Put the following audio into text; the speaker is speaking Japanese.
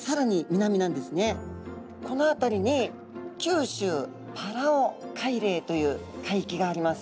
この辺りに九州パラオ海嶺という海域があります。